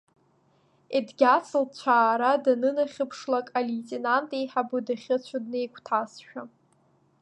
Едгьац лцәаара данынахьыԥшлак, алеитенант еиҳабы дахьыцәо днеигәҭасшәа.